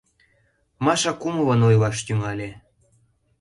— Маша кумылын ойлаш тӱҥале.